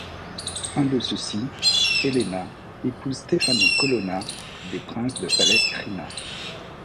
Un de ceux-ci, Elena, épouse Stefano Colonna, des princes de Palestrina.